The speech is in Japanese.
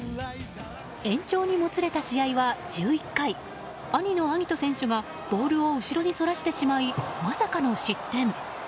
延長にもつれた試合は１１回兄の晶音選手がボールを後ろにそらしてしまいまさかの失点。